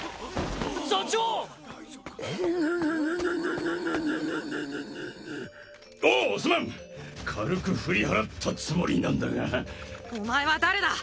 ほげげげげげおおすまん軽く振り払ったつもりなんだがお前は誰だ！